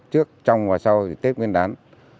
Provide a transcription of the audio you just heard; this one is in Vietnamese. trước trong và sau tết nguyên đán